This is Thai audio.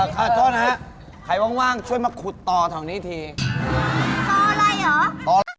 เขาต้องรีบนะเขาต้องรีบ